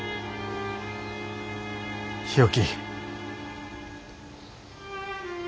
日置。